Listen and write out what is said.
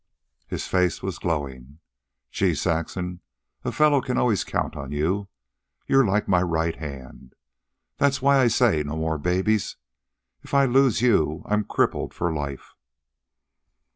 His face was glowing. "Gee, Saxon, a fellow can always count on you. You're like my right hand. That's why I say no more babies. If I lose you I'm crippled for life."